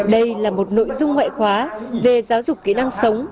đây là một nội dung ngoại khóa về giáo dục kỹ năng sống